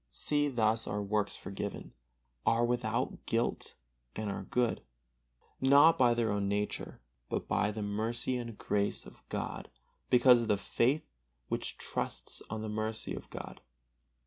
See, thus are works forgiven, are without guilt and are good, not by their own nature, but by the mercy and grace of God because of the faith which trusts on the mercy of God.